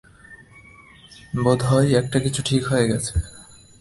বোধ হয় একটা কিছু ঠিক হয়ে গেছে।